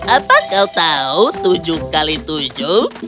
apa kau tahu tujuh x tujuh